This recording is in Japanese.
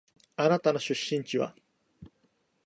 あなたの出身地は？